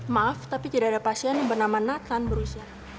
maaf tapi tidak ada pasien yang bernama nathan berusia